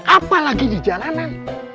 apalagi di jalanan